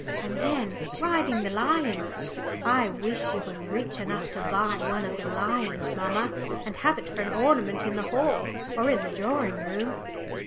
And then riding the lions! I wish you were rich enough to buy one of the lions, mamma, and have it for an ornament in the hall, or in the drawing room."